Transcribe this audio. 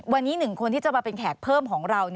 วันนี้๑คนที่จะมาเป็นแขกเพิ่มของเรา